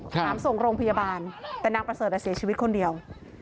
หามส่งโรงพยาบาลแต่นางประเสริฐเสียชีวิตคนเดียว